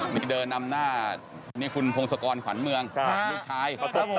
มีเดิ้นนำหน้าคุณผงศพกรฝนเมืองหลุดชาย